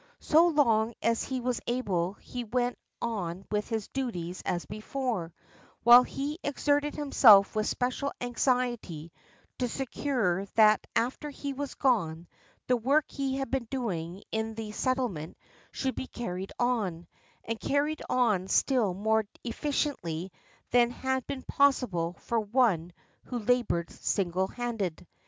So long as he was able he went on with his duties as before, while he exerted himself with special anxiety to secure that after he was goue the work he had been doing in the settlement should be carried on, and carried on still more efl&ciently than had been possible for one who labored single handed.